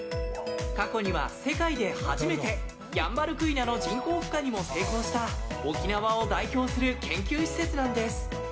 過去には世界で初めてヤンバルクイナの人工ふ化にも成功した沖縄を代表する研究施設なんです。